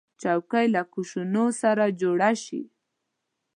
چوکۍ له کوشنو سره جوړه شي.